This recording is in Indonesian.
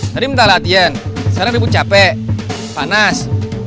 tadi minta latihan sekarang ibu capek panas